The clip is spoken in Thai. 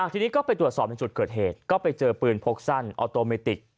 ทีนี้ก็ไปตรวจสอบในจุดเกิดเหตุก็ไปเจอปืนพกสั้นออโตเมติก